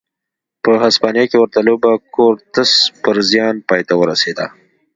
په هسپانیا کې ورته لوبه کورتس پر زیان پای ته ورسېده.